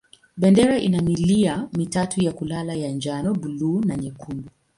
Bendera ina milia mitatu ya kulala ya njano, buluu na nyekundu.